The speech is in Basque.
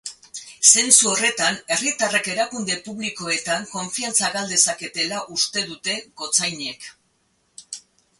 Zentzu horretan, herritarrek erakunde publikoetan konfiantza gal dezaketela uste dute gotzainek.